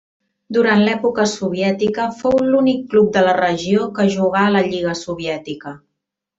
Durant l'època soviètica fou l'únic club de la regió que jugà a la lliga soviètica.